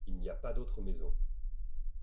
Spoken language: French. Il n'y a pas d'uatre maison.